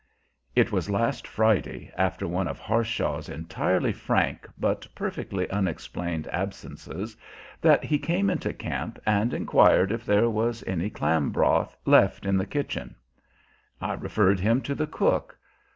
It was last Friday, after one of Harshaw's entirely frank but perfectly unexplained absences, that he came into camp and inquired if there was any clam broth left in the kitchen. I referred him to the cook.